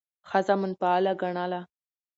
ښځه منفعله ګڼله،